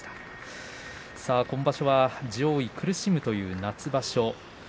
今場所は上位苦しむという夏場所